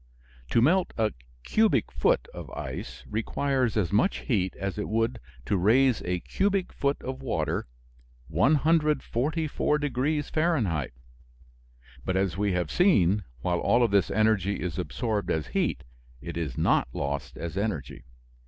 To melt a cubic foot of ice requires as much heat as it would to raise a cubic foot of water 144 degrees Fahrenheit. But, as we have seen, while all of this energy is absorbed as heat, it is not lost as energy.